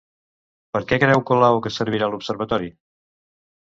Per què creu Colau que servirà l'observatori?